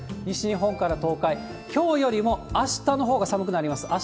西日本から東海、きょうよりもあしたのほうが寒くなります。